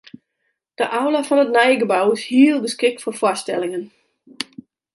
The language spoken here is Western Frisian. De aula fan it nije gebou is hiel geskikt foar foarstellingen.